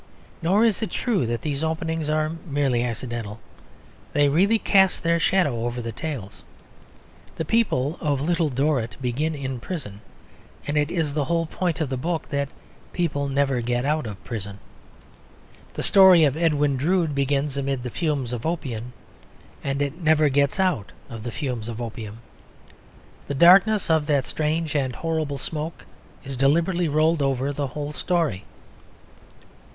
Nor is it true that these openings are merely accidental; they really cast their shadow over the tales. The people of Little Dorrit begin in prison; and it is the whole point of the book that people never get out of prison. The story of Edwin Drood begins amid the fumes of opium, and it never gets out of the fumes of opium. The darkness of that strange and horrible smoke is deliberately rolled over the whole story.